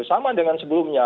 sama dengan sebelumnya